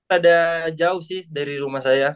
ada jauh sih dari rumah saya